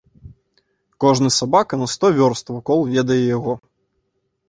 Кожны сабака на сто вёрст вакол ведае яго.